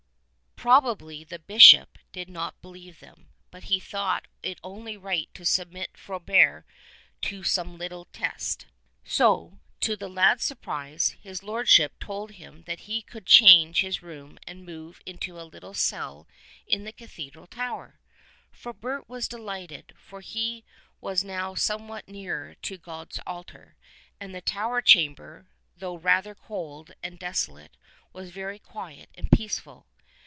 Probably the Bishop did not believe them, but he thought it only right to submit Frobert to some little test. So, to the lad's surprise, his lordship told him that he could change his room and move into a little cell in the Cathedral tower. Frobert was delighted, for he was now somewhat nearer to God's altar, and the tower chamber, though rather cold and desolate, was very quiet and peaceful.